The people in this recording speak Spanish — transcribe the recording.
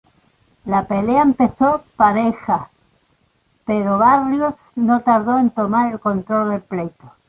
La pelea empezó pareja, pero Barrios no tardó en tomar el control del pleito.